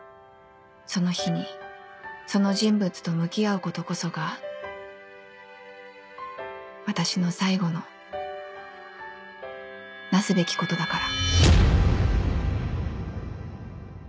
その日にその人物と向き合うことこそが私の最後のなすべきことだから